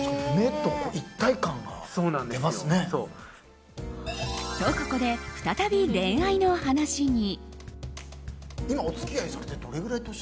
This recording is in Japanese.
と、ここで再び恋愛の話に。